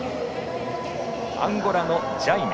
アンゴラのジャイメ。